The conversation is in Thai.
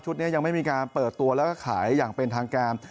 นี้ยังไม่มีการเปิดตัวแล้วก็ขายอย่างเป็นทางการ